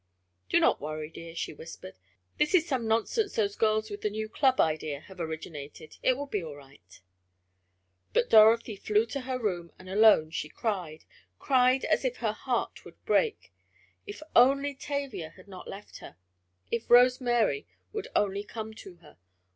"Do not worry, dear," she whispered. "This is some nonsense those girls with the new club idea have originated. It will be all right." But Dorothy flew to her room and alone she cried cried as if her heart would break! If only Tavia had not left her! If Rose Mary would only come to her!